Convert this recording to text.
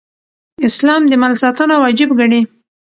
اسلام د مال ساتنه واجب ګڼي